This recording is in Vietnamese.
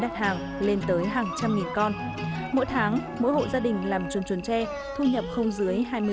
địa điểm là chuồng chuồn tre thạch xá